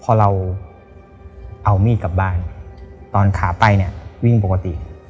พอเราเอามีดกลับบ้านตอนขาไปเนี่ยวิ่งปกติ